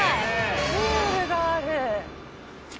プールがある。